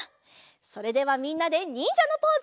それではみんなでにんじゃのポーズ。